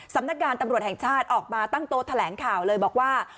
สำนักงานตำรวจแห่งชาติออกมาตั้งโต๊ะแถลงข่าวเลยบอกว่า